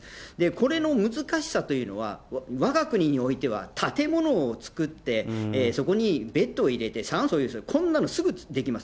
これの難しさというのは、わが国においては、建物を作ってそこにベッドを入れて酸素を用意する、そういうことはすぐできます。